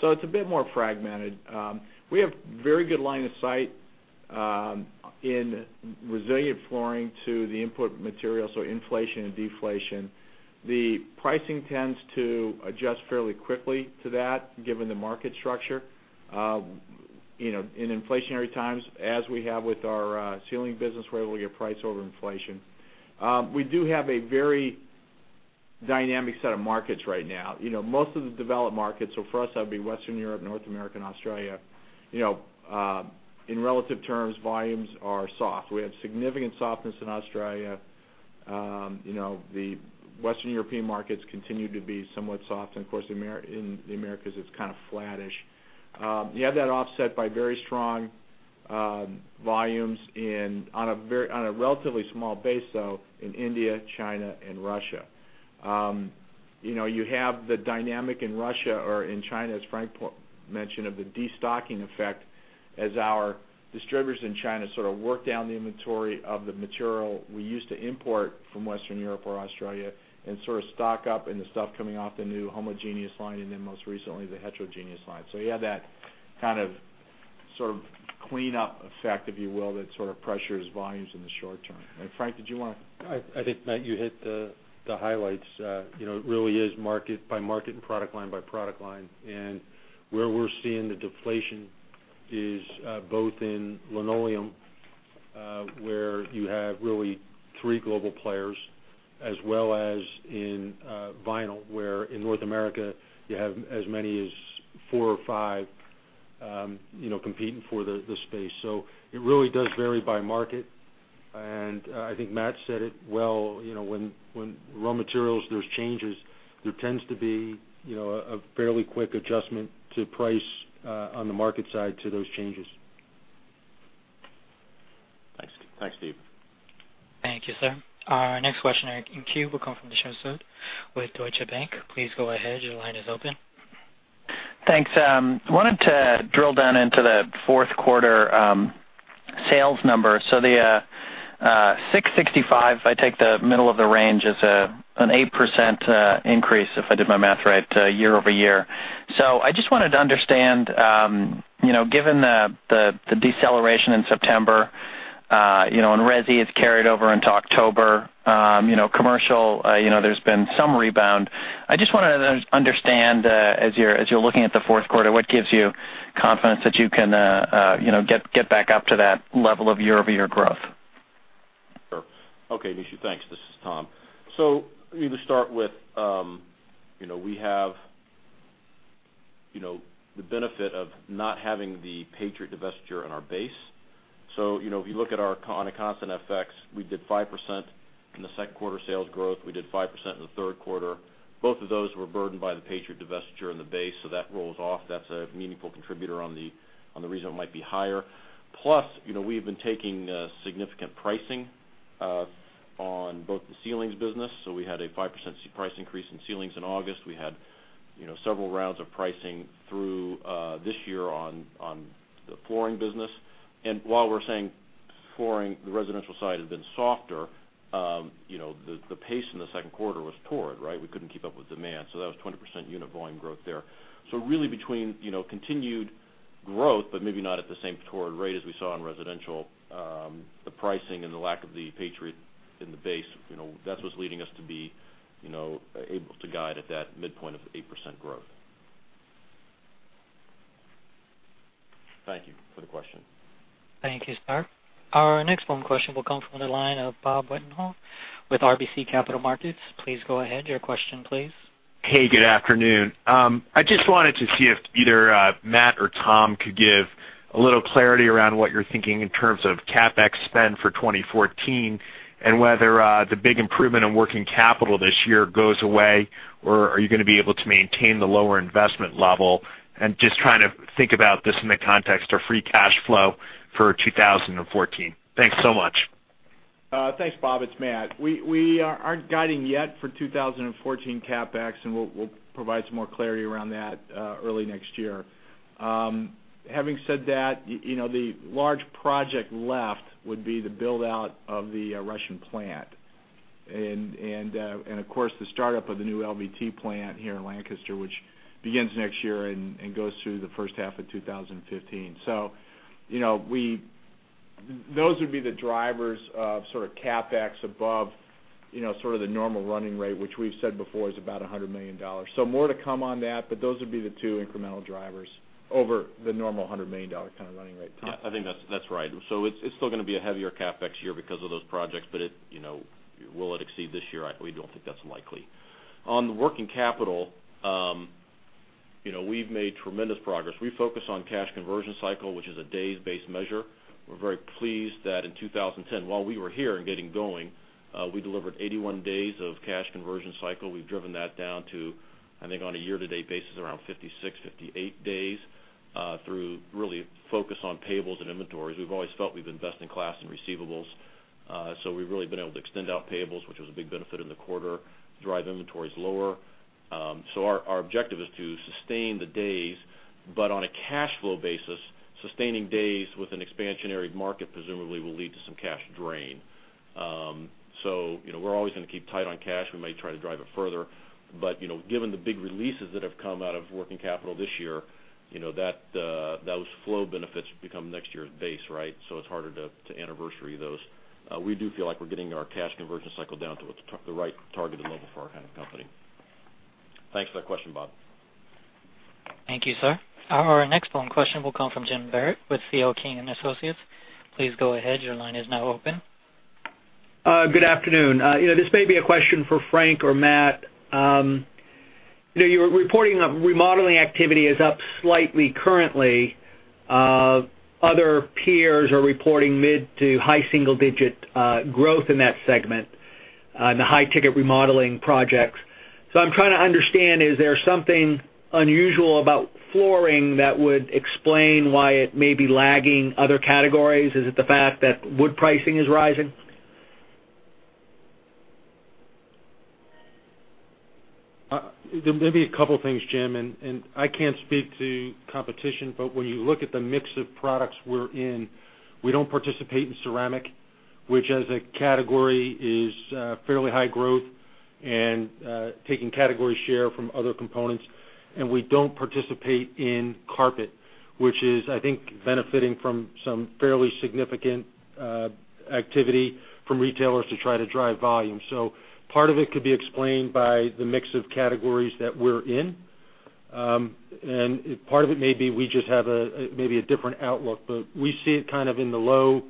It's a bit more fragmented. We have very good line of sight in resilient flooring to the input materials, so inflation and deflation. The pricing tends to adjust fairly quickly to that, given the market structure. In inflationary times, as we have with our ceiling business, we're able to get price over inflation. We do have a very dynamic set of markets right now. Most of the developed markets, so for us, that would be Western Europe, North America, and Australia. In relative terms, volumes are soft. We have significant softness in Australia. The Western European markets continue to be somewhat soft, and of course, in the Americas, it's kind of flattish. You have that offset by very strong volumes on a relatively small base, though, in India, China, and Russia. You have the dynamic in Russia or in China, as Frank Ready mentioned, of the destocking effect as our distributors in China sort of work down the inventory of the material we used to import from Western Europe or Australia and sort of stock up in the stuff coming off the new homogeneous line and then most recently, the heterogeneous line. You have that sort of clean up effect, if you will, that sort of pressures volumes in the short term. Frank, did you want to- I think, Matthew Espe, you hit the highlights. It really is market by market and product line by product line. Where we're seeing the deflation is both in linoleum, where you have really three global players, as well as in vinyl, where in North America, you have as many as four or five competing for the space. It really does vary by market, and I think Matt Espe said it well. When raw materials, there's changes, there tends to be a fairly quick adjustment to price on the market side to those changes. Thanks, Stephen Kim. Thank you, sir. Our next question in queue will come from Nishu Desai with Deutsche Bank. Please go ahead. Your line is open. I wanted to drill down into the fourth quarter sales number. The $665, if I take the middle of the range, is an 8% increase, if I did my math right, year-over-year. I just wanted to understand, given the deceleration in September, and resi has carried over into October. Commercial, there's been some rebound. I just wanted to understand, as you're looking at the fourth quarter, what gives you confidence that you can get back up to that level of year-over-year growth? Sure. Okay, Nishu, thanks. This is Tom. Let me just start with, we have the benefit of not having the Patriot divestiture in our base. If you look on a constant FX, we did 5% in the second quarter sales growth. We did 5% in the third quarter. Both of those were burdened by the Patriot divestiture in the base. That rolls off. That's a meaningful contributor on the reason it might be higher. Plus, we have been taking significant pricing on both the ceilings business. We had a 5% price increase in ceilings in August. We had several rounds of pricing through this year on the flooring business. While we're saying flooring, the residential side has been softer. The pace in the second quarter was torrid, right? We couldn't keep up with demand. That was 20% unit volume growth there. Really between continued growth, but maybe not at the same torrid rate as we saw in residential. The pricing and the lack of the Patriot in the base, that's what's leading us to be able to guide at that midpoint of 8% growth. Thank you for the question. Thank you, sir. Our next phone question will come from the line of Robert Wetenhall with RBC Capital Markets. Please go ahead. Your question, please. Hey, good afternoon. I just wanted to see if either Matt or Tom could give a little clarity around what you're thinking in terms of CapEx spend for 2014, and whether the big improvement in working capital this year goes away, or are you going to be able to maintain the lower investment level? Just trying to think about this in the context of free cash flow for 2014. Thanks so much. Thanks, Bob. It's Matt. We aren't guiding yet for 2014 CapEx, and we'll provide some more clarity around that early next year. Having said that, the large project left would be the build-out of the Russian plant. Of course, the startup of the new LVT plant here in Lancaster, which begins next year and goes through the first half of 2015. Those would be the drivers of CapEx above the normal running rate, which we've said before is about $100 million. More to come on that, but those would be the two incremental drivers over the normal $100 million kind of running rate. Tom? Yeah, I think that's right. It's still going to be a heavier CapEx year because of those projects. Will it exceed this year? We don't think that's likely. On the working capital, we've made tremendous progress. We focus on cash conversion cycle, which is a days-based measure. We're very pleased that in 2010, while we were here and getting going, we delivered 81 days of cash conversion cycle. We've driven that down to, I think, on a year-to-date basis, around 56, 58 days, through really focus on payables and inventories. We've always felt we've been best in class in receivables. We've really been able to extend out payables, which was a big benefit in the quarter, drive inventories lower. Our objective is to sustain the days, but on a cash flow basis, sustaining days with an expansionary market presumably will lead to some cash drain. We're always going to keep tight on cash. We may try to drive it further. Given the big releases that have come out of working capital this year, those flow benefits become next year's base, right? It's harder to anniversary those. We do feel like we're getting our cash conversion cycle down to the right targeted level for our kind of company. Thanks for that question, Bob. Thank you, sir. Our next phone question will come from James Barrett with C.L. King & Associates. Please go ahead. Your line is now open. Good afternoon. This may be a question for Frank or Matt. Your reporting of remodeling activity is up slightly currently. Other peers are reporting mid- to high single-digit growth in that segment in the high-ticket remodeling projects. I'm trying to understand, is there something unusual about flooring that would explain why it may be lagging other categories? Is it the fact that wood pricing is rising? There may be a couple of things, Jim, and I can't speak to competition, but when you look at the mix of products we're in, we don't participate in ceramic, which as a category is fairly high growth and taking category share from other components, and we don't participate in carpet, which is, I think, benefiting from some fairly significant activity from retailers to try to drive volume. Part of it could be explained by the mix of categories that we're in. Part of it may be we just have maybe a different outlook, but we see it in the low,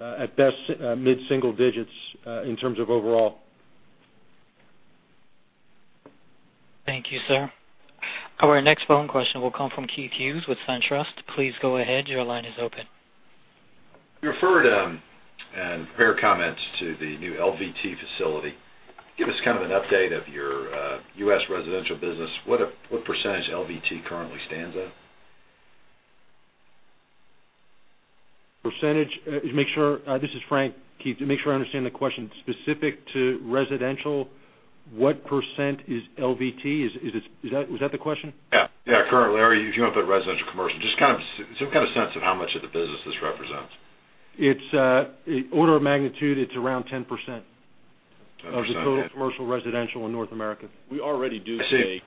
at best, mid-single digits in terms of overall. Thank you, sir. Our next phone question will come from Keith Hughes with SunTrust. Please go ahead. Your line is open. You referred, and fair comment to the new LVT facility. Give us an update of your U.S. residential business. What % LVT currently stands at? This is Frank. Keith, to make sure I understand the question, specific to residential, what % is LVT? Was that the question? Yeah. Currently, if you want to put residential, commercial, just some kind of sense of how much of the business this represents. Order of magnitude, it's around 10%. 10% of the total commercial residential in North America. We already do today. I see.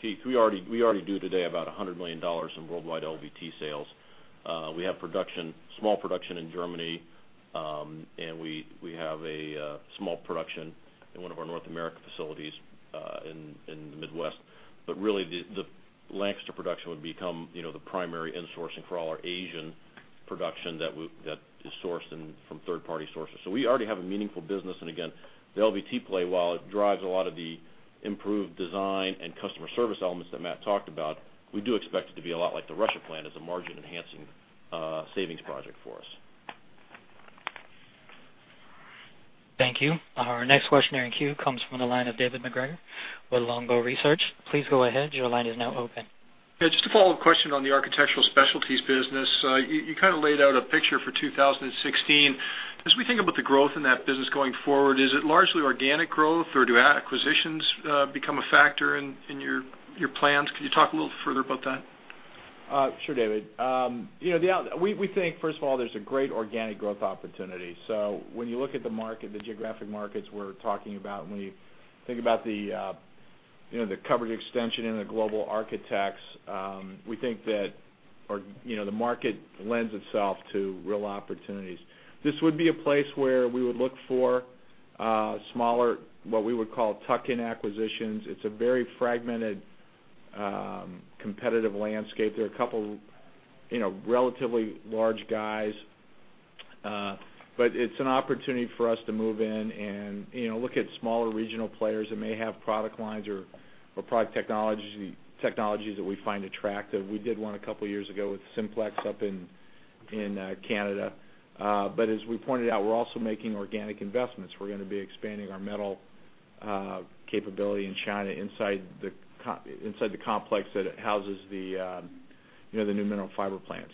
Keith. We already do today about $100 million in worldwide LVT sales. We have small production in Germany, and we have a small production in one of our North America facilities in the Midwest. Really, the length to production would become the primary insourcing for all our Asian production that is sourced from third-party sources. We already have a meaningful business. Again, the LVT play, while it drives a lot of the improved design and customer service elements that Matt talked about, we do expect it to be a lot like the Russia plant as a margin-enhancing savings project for us. Thank you. Our next questioner in queue comes from the line of David MacGregor with Longbow Research. Please go ahead. Your line is now open. Yeah, just a follow-up question on the Architectural Specialties business. You laid out a picture for 2016. As we think about the growth in that business going forward, is it largely organic growth, or do acquisitions become a factor in your plans? Could you talk a little further about that? Sure, David. We think, first of all, there's a great organic growth opportunity. When you look at the geographic markets we're talking about, and when you think about the coverage extension into global architects, we think that the market lends itself to real opportunities. This would be a place where we would look for smaller, what we would call tuck-in acquisitions. It's a very fragmented, competitive landscape. There are a couple relatively large guys. It's an opportunity for us to move in and look at smaller regional players that may have product lines or product technologies that we find attractive. We did one a couple of years ago with Simplex up in Canada. As we pointed out, we're also making organic investments. We're going to be expanding our metal capability in China inside the complex that houses the new mineral fiber plant.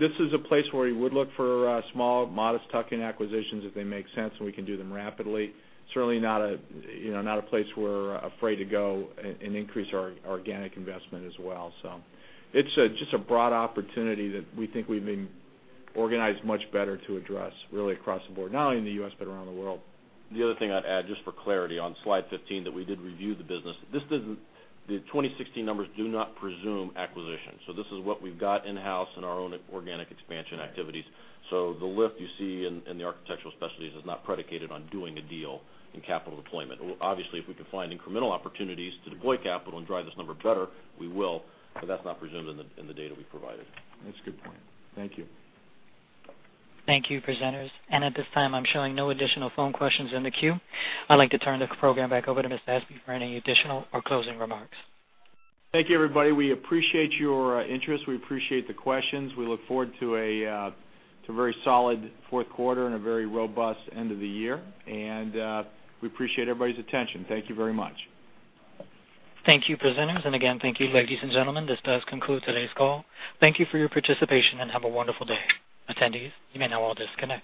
This is a place where we would look for small, modest tuck-in acquisitions if they make sense, and we can do them rapidly. Certainly not a place we're afraid to go and increase our organic investment as well. It's just a broad opportunity that we think we've been organized much better to address, really across the board. Not only in the U.S., but around the world. The other thing I'd add, just for clarity on slide 15, that we did review the business. The 2016 numbers do not presume acquisition. This is what we've got in-house in our own organic expansion activities. The lift you see in the Architectural Specialties is not predicated on doing a deal in capital deployment. Obviously, if we can find incremental opportunities to deploy capital and drive this number better, we will, but that's not presumed in the data we provided. That's a good point. Thank you. Thank you, presenters. At this time, I'm showing no additional phone questions in the queue. I'd like to turn the program back over to Mr. Espe for any additional or closing remarks. Thank you, everybody. We appreciate your interest. We appreciate the questions. We look forward to a very solid fourth quarter and a very robust end of the year. We appreciate everybody's attention. Thank you very much. Thank you, presenters. Again, thank you, ladies and gentlemen. This does conclude today's call. Thank you for your participation, and have a wonderful day. Attendees, you may now all disconnect.